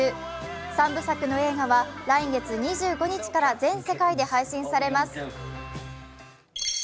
３部作の映画は来月２５日から全世界で配信されます。